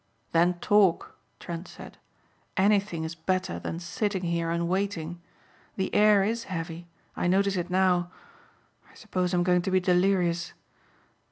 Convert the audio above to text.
"Then talk," Trent said, "Anything is better than sitting here and waiting. The air is heavy; I notice it now. I suppose I'm going to be delirious.